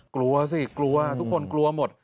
กลัวสิกลัวทุกคนกลัวหมด